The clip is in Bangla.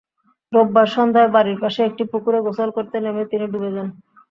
রোববার সন্ধ্যায় বাড়ির পাশে একটি পুকুরে গোসল করতে নেমে তিনি ডুবে যান।